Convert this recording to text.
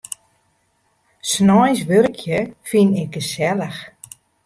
Sneins wurkje fyn ik gesellich.